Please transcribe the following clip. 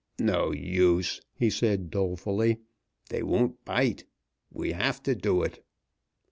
"No use," he said, dolefully, "they won't bite. We have to do it."